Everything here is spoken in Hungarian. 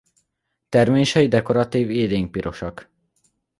Termései dekoratív élénkpirosak.